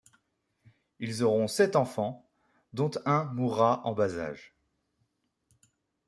Ils auront sept enfants, dont un mourra en bas âge.